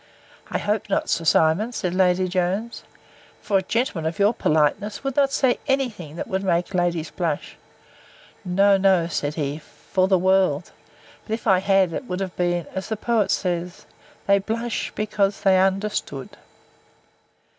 I hope not, Sir Simon, said Lady Jones; for a gentleman of your politeness would not say any thing that would make ladies blush.—No, no, said he, for the world: but if I had, it would have been, as the poet says, 'They blush, because they understand.